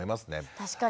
確かに。